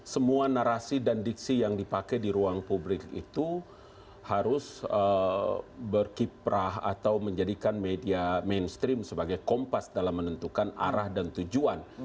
semua narasi dan diksi yang dipakai di ruang publik itu harus berkiprah atau menjadikan media mainstream sebagai kompas dalam menentukan arah dan tujuan